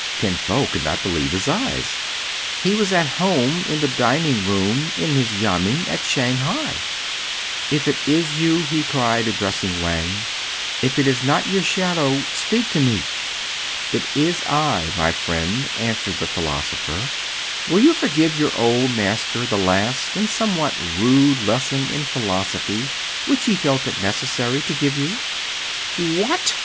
Kin Fo could not believe his eyes. He was at home in the dining room in his yamen at Shang hai. " If it is you," he cried, addressing Wang, " if it is not your shadow, speak to me !"" It is I, my friend," answered the philosopher. "Will you forgive your old master the last and somewhat rude lesson in philosophy which he felt it necessary to give you t " "What!"